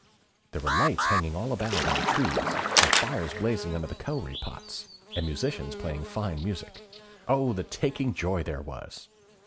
There were lights hanging all about in the trees, and fires blazing under the cowree pots, and musicians playing fine music. Oh, the taking joy there was!